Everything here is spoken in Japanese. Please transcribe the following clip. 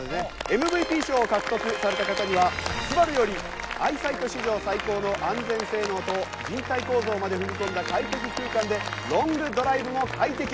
ＭＶＰ賞を獲得された方にはＳＵＢＡＲＵよりアイサイト史上最高の安全性能と人体構造まで踏み込んだ快適空間でロングドライブも快適。